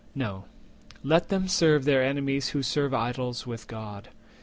No; let them serve Their enemies who serve idols with God.